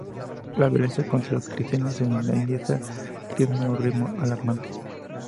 La violencia contra los cristianos en la India está creciendo a un ritmo alarmante.